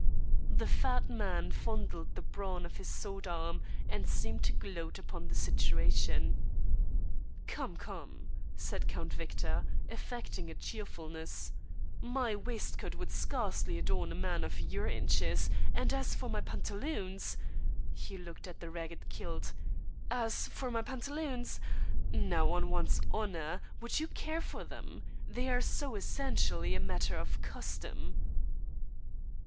The fat man fondled the brawn of his sword arm and seemed to gloat upon the situation. "Come, come!" said Count Victor, affecting a cheerfulness, "my waistcoat would scarcely adorn a man of your inches, and as for my pantaloons" he looked at the ragged kilt "as for my pantaloons, now on one's honour, would you care for them? They are so essentially a matter of custom."